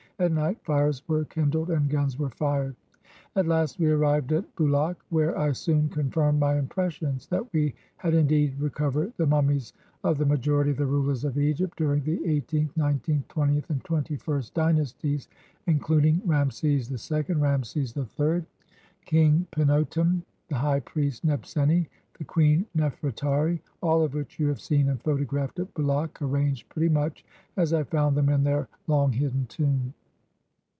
At night fires were kindled and guns were fired. "At last we arrived at Bulaq, where I soon confirmed my impressions that we had indeed recovered the mum mies of the majority of the rulers of Egypt during the Eighteenth, Nineteenth, Twentieth, and Twenty first Dynasties, including Rameses II, Rameses III, King 172 I FINDING PHARAOH Pinotem, the high priest Nebseni, and Queen Nofretari, all of which you have seen and photographed at Bulaq, arranged pretty much as I found them in their long hidden tomb.